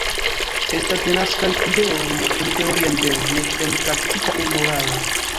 Estas denaskaj ideoj nek en teoria nivelo nek en praktika aŭ morala.